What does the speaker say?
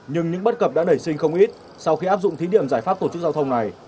nhưng những bất cập đã nảy sinh không ít sau khi áp dụng thí điểm giải pháp tổ chức giao thông này